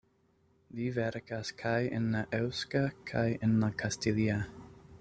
Li verkas kaj en la eŭska kaj en la kastilia.